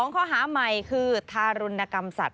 ๒ข้อหาใหม่คือทารุณกรรมศัตริย์